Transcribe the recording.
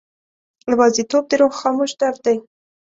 یوازیتوب د روح خاموش درد دی.